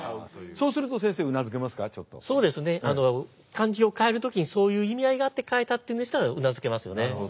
漢字を変える時にそういう意味合いがあって変えたっていうんでしたらうなずけますよね。